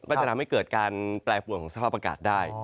ก็จะทำให้เกิดการแปรปวนของสภาพอากาศได้